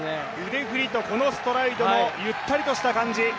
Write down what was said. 腕振りとこのストライドのゆったりした感じ。